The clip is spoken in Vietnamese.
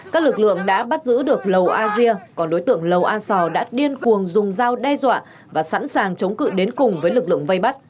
các lực lượng đã bắt giữ được lầu a dia còn đối tượng lầu a sò đã điên cuồng dùng dao đe dọa và sẵn sàng chống cự đến cùng với lực lượng vây bắt